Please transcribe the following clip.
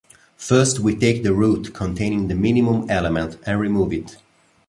First we take the root containing the minimum element and remove it.